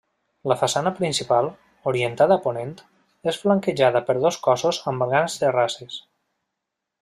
La façana principal, orientada a ponent, és flanquejada per dos cossos amb grans terrasses.